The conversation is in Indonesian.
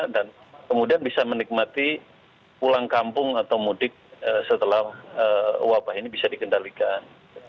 dan kemudian bisa menikmati pulang kampung atau mudik setelah wabah ini bisa dikendalikan